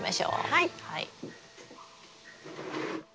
はい。